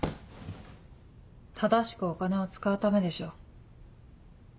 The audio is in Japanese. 正しくお金を使うためでしょ。